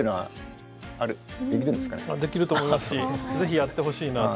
できると思いますし是非やってほしいなあと。